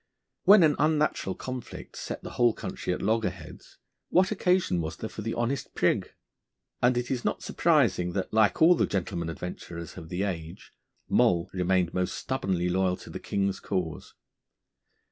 When an unnatural conflict set the whole country at loggerheads, what occasion was there for the honest prig? And it is not surprising that, like all the gentlemen adventurers of the age, Moll remained most stubbornly loyal to the King's cause.